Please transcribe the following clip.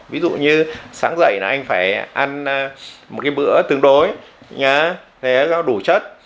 ví dụ như sáng dậy anh phải ăn một bữa tương đối đủ chất